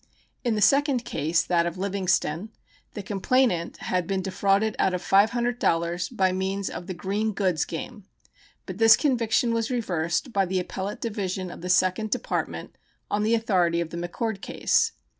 In the second case, that of Livingston, the complainant had been defrauded out of $500 by means of the "green goods" game; but this conviction was reversed by the Appellate Division of the Second Department on the authority of the McCord case.